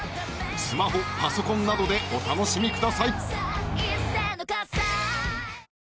スマホパソコンなどでお楽しみください。